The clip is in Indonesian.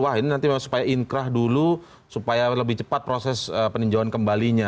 wah ini nanti supaya inkrah dulu supaya lebih cepat proses peninjauan kembalinya